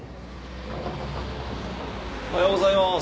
おはようございます。